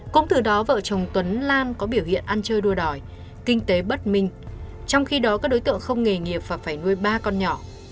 cũng từ đó vợ chồng tuấn lan có biểu hiện ăn chơi đua đòi kinh tế bất minh trong khi đó các đối tượng không nghề nghiệp và phải nuôi ba con nhỏ